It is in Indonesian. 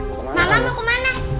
mama mau kemana